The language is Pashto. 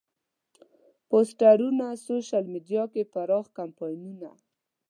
پوسترونه، سوشیل میډیا کې پراخ کمپاینونه.